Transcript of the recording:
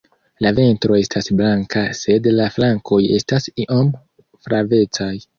La ventro estas blanka sed la flankoj estas iom flavecaj.